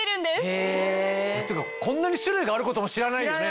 へぇ！ってかこんなに種類があることも知らないよね。